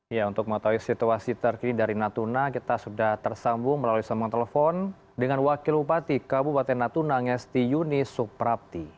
ya untuk mengetahui situasi terkini dari natuna kita sudah tersambung melalui sambungan telepon dengan wakil upati kabupaten natuna ngesti yuni suprapti